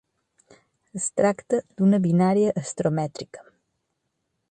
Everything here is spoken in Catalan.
Es tracta d'una binària astromètrica.